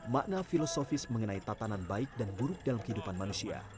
makna filosofis mengenai tatanan baik dan buruk dalam kehidupan manusia